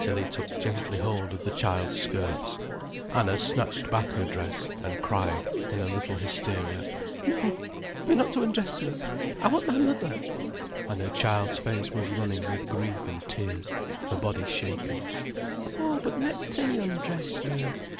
Tilly took gently hold of the child's skirts. Anna snatched back her dress, and cried, in a little hysteria: "No, you're not to undress me—I want my mother,"—and her child's face was running with grief and tears, her body shaken. "Oh, but let Tilly undress you.